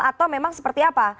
atau memang seperti apa